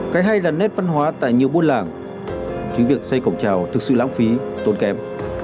cái hay là nét văn hóa tại nhiều buôn làng chính việc xây cổng trào thực sự lãng phí tốn kém